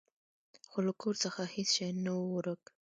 خو له کور څخه هیڅ شی نه و ورک.